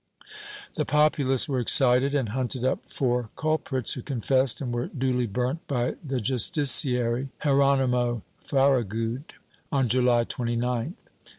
The populace were excited and hunted up four culprits, who confessed and were duly burnt by the justiciary, Hieronimo Farragud, on July 29th.